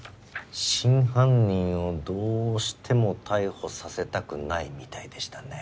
真犯人をどうしても逮捕させたくないみたいでしたね。